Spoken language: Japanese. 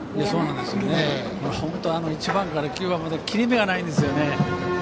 本当１番から９番まで切れ目がないんですね。